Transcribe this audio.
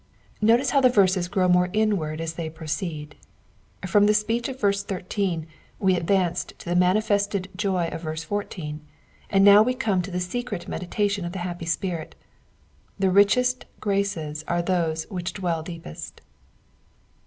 Note how the verses grow more inuard as they proceed : from the speech of verse 13 we advanced to the manifested joy of verse 14, and now we come to the secret meditation of the happy spirit. The richest graces are these which dwell deepest.